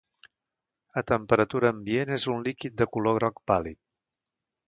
A temperatura ambient és un líquid de color groc pàl·lid.